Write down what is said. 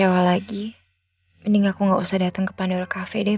jangan datang ke pandora cafe deh